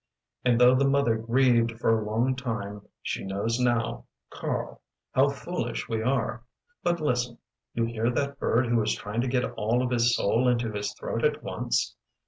And though the mother grieved for a long time she knows now Karl how foolish we are! But listen. You hear that bird who is trying to get all of his soul into his throat at once?